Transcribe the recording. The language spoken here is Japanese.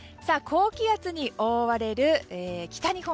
高気圧に覆われる北日本。